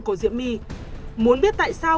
cô diễm my muốn biết tại sao